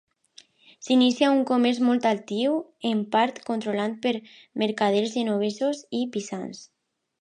S'inicià un comerç molt actiu, en part controlat per mercaders genovesos i pisans.